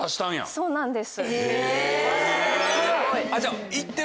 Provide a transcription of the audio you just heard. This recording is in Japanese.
そうなんです。